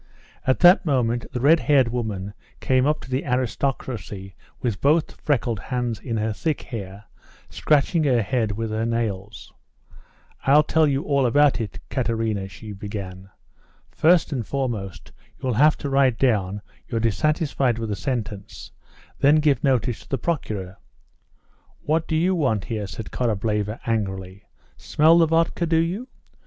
At that moment the red haired woman came up to the "aristocracy" with both freckled hands in her thick hair, scratching her head with her nails. "I'll tell you all about it, Katerina," she began. "First and foremost, you'll have to write down you're dissatisfied with the sentence, then give notice to the Procureur." "What do you want here?" said Korableva angrily; "smell the vodka, do you?